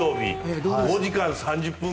５時間３０分